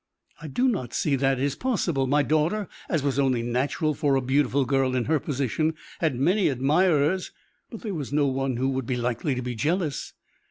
"I do not see that it is possible. My daughter, as was only natural for a beautiful girl in her position, had many admirers; but there was no one who would be likely to be jealous.